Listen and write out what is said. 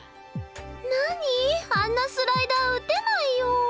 なにあんなスライダー打てないよん！